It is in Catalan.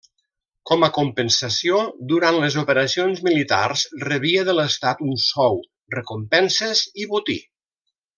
Com a compensació, durant les operacions militars rebia de l'Estat un sou, recompenses i botí.